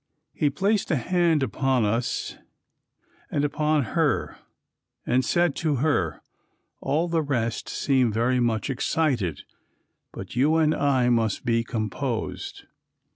He placed a hand upon us and upon her and said to her, "All the rest seem very much excited, but you and I must be composed."